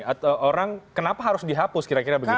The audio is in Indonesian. atau orang kenapa harus dihapus kira kira begitu